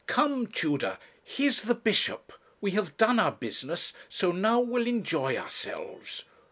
'Come, Tudor, here's the bishop. We have done our business, so now we'll enjoy ourselves.